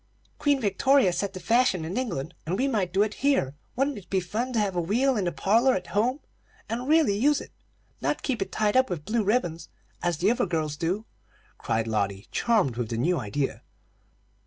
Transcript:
"Queen Victoria set the fashion in England, and we might do it here. Wouldn't it be fun to have a wheel in the parlor at home, and really use it; not keep it tied up with blue ribbons, as the other girls do!" cried Lotty, charmed with the new idea.